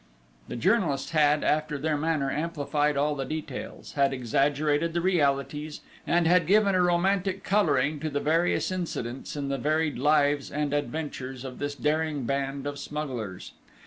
The journalists had, after their manner, amplified all the details, had exaggerated the realities, and had given a romantic colouring to the various incidents in the varied lives and adventures of this daring band of smugglers.